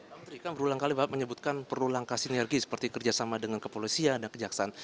pak menteri kan berulang kali bapak menyebutkan perlu langkah sinergi seperti kerjasama dengan kepolisian dan kejaksaan